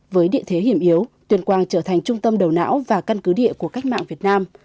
với địa thế hiểm yếu tuyên quang trở thành trung tâm đầu não và căn cứ địa của cách mạng việt nam